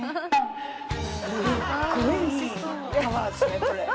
すっごいいいタワーですねこれ。